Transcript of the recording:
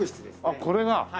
あっこれが？